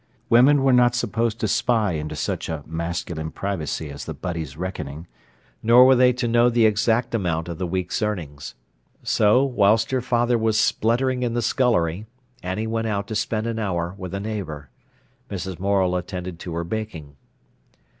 Women were not supposed to spy into such a masculine privacy as the butties' reckoning, nor were they to know the exact amount of the week's earnings. So, whilst her father was spluttering in the scullery, Annie went out to spend an hour with a neighbour. Mrs. Morel attended to her baking.